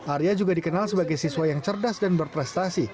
arya juga dikenal sebagai siswa yang cerdas dan berprestasi